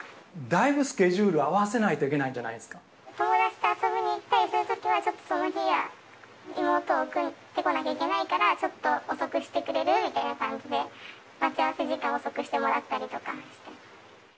だいぶスケジュール合わせな友達と遊びに行ったりするときは、ちょっとその日は妹を送ってこなきゃいけないからちょっと遅くしてくれる？みたいな感じで、待ち合わせ時間を遅くしてもらったりとかしてます。